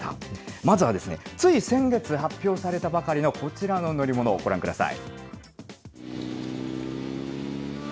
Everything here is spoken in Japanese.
まずはつい先月発表されたばかりのこちらの乗り物をご覧ください。